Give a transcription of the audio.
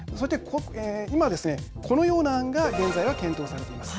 今ですね、このような案が現在は検討されています。